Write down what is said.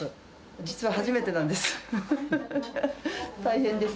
実は初めてなんです。